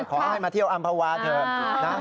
ขอให้มาเที่ยวอำภาวะเถิด